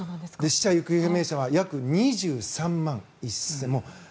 死者・行方不明者は約２３万１０００人。